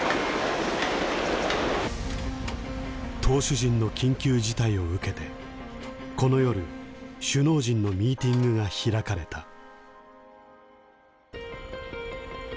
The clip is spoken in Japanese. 投手陣の緊急事態を受けてこの夜首脳陣のミーティングが開かれた。